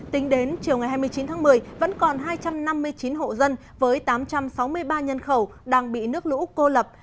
tính đến chiều ngày hai mươi chín tháng một mươi vẫn còn hai trăm năm mươi chín hộ dân với tám trăm sáu mươi ba nhân khẩu đang bị nước lũ cô lập